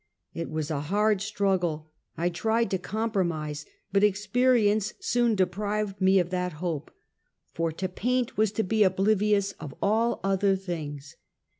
It was a liard struggle. I tried to compromise, but experience soon deprived me of that hope, for to paint Fitting Myself into my Sphere. 49 was to be oblivious of all other things.